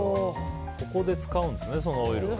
ここで使うんですね、オイルを。